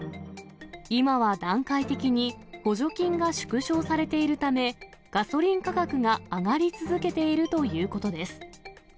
今は段階的に補助金が縮小されているため、ガソリン価格が上がり続けているということです。